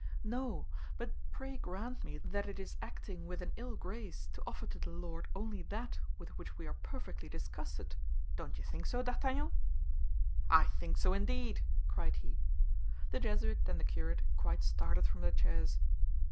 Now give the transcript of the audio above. "No; but pray grant me that it is acting with an ill grace to offer to the Lord only that with which we are perfectly disgusted! Don't you think so, D'Artagnan?" "I think so, indeed," cried he. The Jesuit and the curate quite started from their chairs.